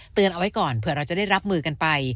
เอาไว้ก่อนเผื่อเราจะได้รับมือกันไป